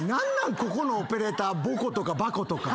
ここのオペレーターボコとかバコとか。